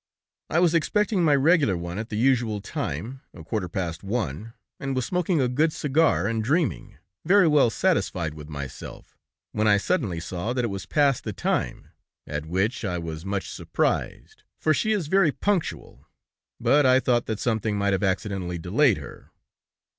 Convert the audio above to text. "I was expecting my regular one at the usual time, a quarter past one, and was smoking a good cigar, and dreaming, very well satisfied with myself, when I suddenly saw that it was past the time, at which I was much surprised, for she is very punctual, but I thought that something might have accidentally delayed her.